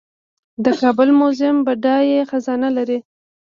د کابل میوزیم بډایه خزانه لري